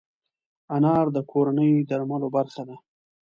انار د کورني درملو برخه ده.